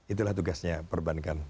itulah tugasnya perbankan